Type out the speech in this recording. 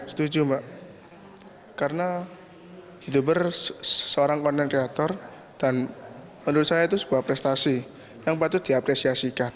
setuju mbak karena youtuber seorang konten kreator dan menurut saya itu sebuah prestasi yang patut diapresiasikan